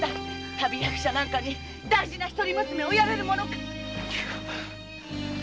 旅役者なんかに大事な一人娘をやれるものかい！